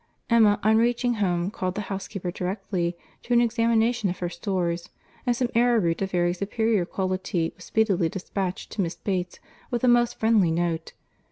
Emma, on reaching home, called the housekeeper directly, to an examination of her stores; and some arrowroot of very superior quality was speedily despatched to Miss Bates with a most friendly note.